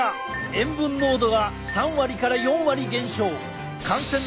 塩分濃度が３割から４割減少！